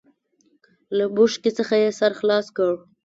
له بوشکې څخه يې سر خلاص کړ.